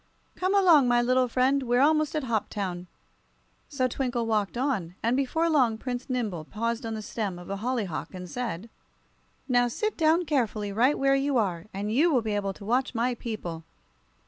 Come along, my little friend; we're almost at Hoptown." So Twinkle walked on, and before long Prince Nimble paused on the stem of a hollyhock and said: "Now, sit down carefully, right where you are, and you will be able to watch my people.